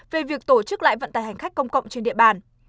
về việc tổ chức lại vận tài hành khách công cộng trên địa bàn